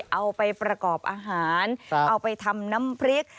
เอาไปประกอบอาหารเอาไปทำน้ำพริก